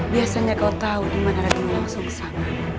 biasanya kau tahu dimana raden walang susah